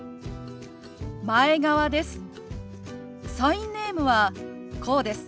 前川です。